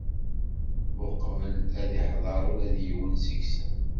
Uqbel a d-iḥder ula d yiwen seg-sen.